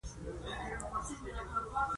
کبان د سپینې او خوندورې غوښې په لرلو پام وړ دي.